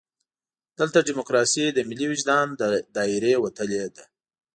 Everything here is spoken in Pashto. دلته ډیموکراسي د ملي وجدان له دایرې وتلې ده.